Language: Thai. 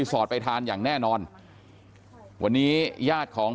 อยู่ดีมาตายแบบเปลือยคาห้องน้ำได้ยังไง